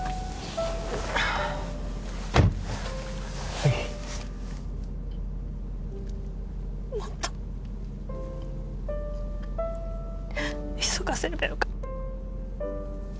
はいもっと急がせればよかった